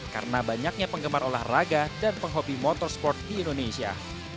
karena banyaknya penggemar olahraga dan penghobi motorsport di indonesia